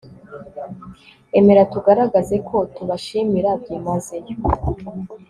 Emera tugaragaze ko tubashimira byimazeyo